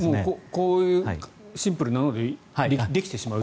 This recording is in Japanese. こういうシンプルなのでできてしまう。